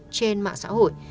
trên mạng xã hội